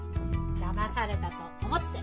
だまされたと思って。